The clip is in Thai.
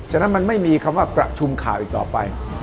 ฉะนั้นมันไม่มีคำว่าประชุมข่าวอีกต่อไป